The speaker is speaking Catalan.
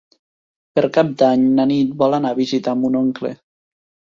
Per Cap d'Any na Nit vol anar a visitar mon oncle.